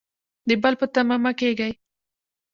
د بل په تمه مه کیږئ